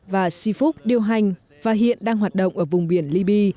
và sifuk điều hành và hiện đang hoạt động ở vùng biển liby